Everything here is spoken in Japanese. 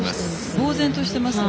ぼう然としていますね。